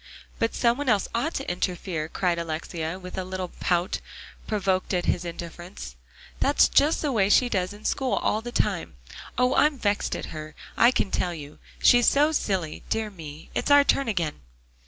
"But some one else ought to interfere," cried Alexia, with a little pout, provoked at his indifference; "that's just the way she does in school all the time. Oh! I'm vexed at her, I can tell you. She's so silly dear me, it's our turn again."